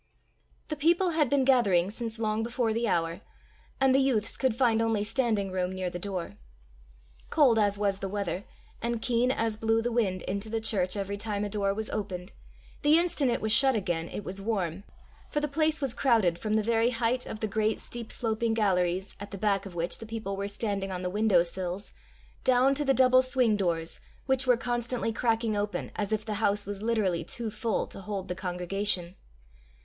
The people had been gathering since long before the hour, and the youths could find only standing room near the door. Cold as was the weather, and keen as blew the wind into the church every time a door was opened, the instant it was shut again it was warm, for the place was crowded from the very height of the great steep sloping galleries, at the back of which the people were standing on the window sills, down to the double swing doors, which were constantly cracking open as if the house was literally too full to hold the congregation.